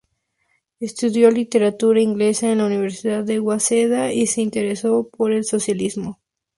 Estudió literatura inglesa en la Universidad de Waseda y se interesó por el socialismo.